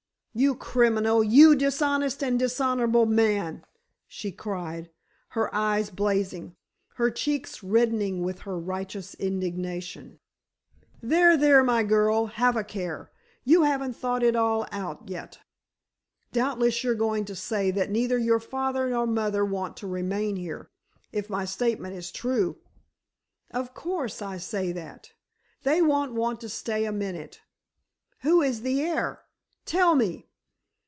"You criminal! You dishonest and dishonorable man!" she cried, her eyes blazing, her cheeks reddening with her righteous indignation. "There, there, my girl, have a care. You haven't thought it all out yet. Doubtless you're going to say that neither your father nor mother want to remain here, if my statement is true." "Of course I say that! They won't want to stay a minute! Who is the heir? Tell me!"